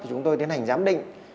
chúng tôi tiến hành giám định